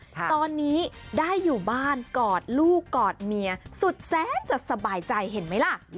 ตอนนี้ได้อยู่บ้านกอดลูกกอดเมียสุดแสนจะสบายใจเห็นไหมล่ะ